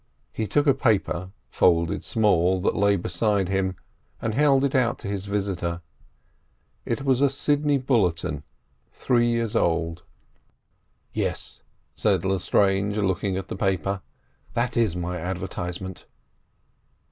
He took a paper, folded small, that lay beside him, and held it out to his visitor. It was a Sidney Bulletin three years old. "Yes," said Lestrange, looking at the paper; "that is my advertisement."